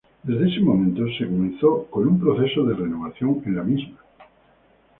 Desde ese momento se comenzó con un proceso de renovación en la misma.